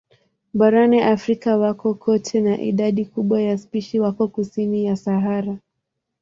Barani Afrika wako kote na idadi kubwa ya spishi wako kusini ya Sahara.